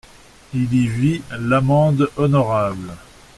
Il y vit l'amende honorable.